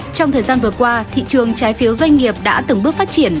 trong thời gian vừa qua thị trường trái phiếu doanh nghiệp đã từng bước phát triển